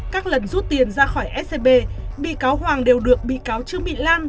các lần rút tiền ra khỏi scb bị cáo hoàng đều được bị cáo trương mỹ lan